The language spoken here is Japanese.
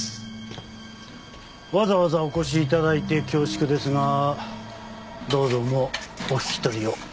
わざわざお越し頂いて恐縮ですがどうぞもうお引き取りを。